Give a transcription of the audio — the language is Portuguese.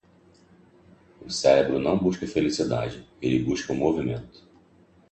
O cérebro não busca felicidade, ele busca o movimento.